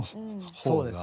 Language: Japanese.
そうですね。